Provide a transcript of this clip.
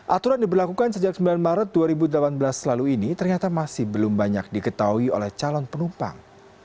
aturan diberlakukan sejak sembilan maret dua ribu delapan belas lalu ini ternyata masih belum banyak diketahui oleh calon penumpang